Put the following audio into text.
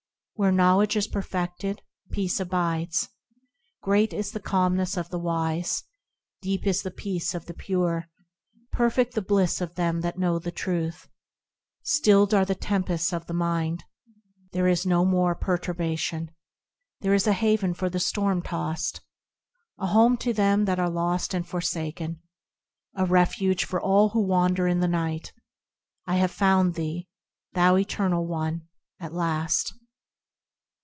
Where knowledge is perfected, peace abides. Great is the calmness of the wise. Deep is the peace of the pure, Perfect the bliss of them that know the Truth. Stilled are the tempests of the mind, There is no more perturbation. There is a haven for the storm tossed. A home for them that are lost and forsaken. A refuge for all who wander in the Night. I have found thee, thou eternal One, at last